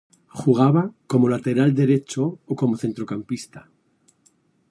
Jugaba como lateral derecho o como centrocampista.